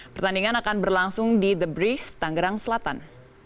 pertandingan akan berlangsung di the breeze tanggerang selatan